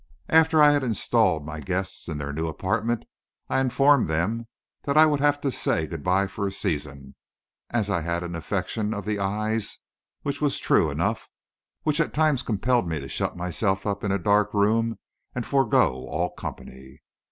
After I had installed my guests in their new apartment, I informed them that I would have to say good by for a season, as I had an affection of the eyes which was true enough which at times compelled me to shut myself up in a dark room and forego all company.